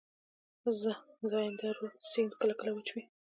زاینده رود سیند کله کله وچ وي.